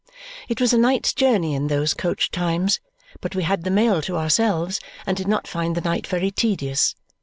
It was a night's journey in those coach times, but we had the mail to ourselves and did not find the night very tedious.